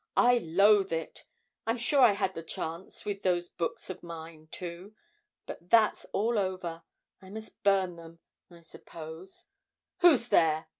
I loathe it! I'm sure I had a chance with those books of mine, too; but that's all over. I must burn them, I suppose Who's there?'